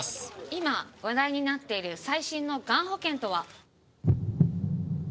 今話題になっている最新のがん保険とは？